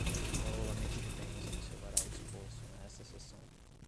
O arrolamento de bens observará o disposto nesta Seção